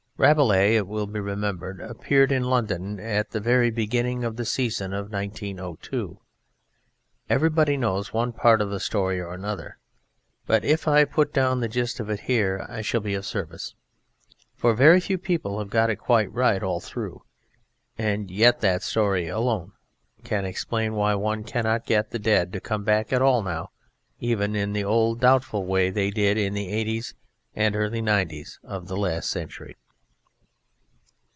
Rabelais (it will be remembered) appeared in London at the very beginning of the season in 1902. Everybody knows one part of the story or another, but if I put down the gist of it here I shall be of service, for very few people have got it quite right all through, and yet that story alone can explain why one cannot get the dead to come back at all now even in the old doubtful way they did in the '80's and early '90's of the last century.